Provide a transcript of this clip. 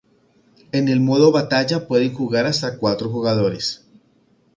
En el Modo Batalla pueden jugar hasta cuatro jugadores.